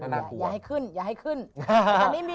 ร้ายพูดจะขึ้น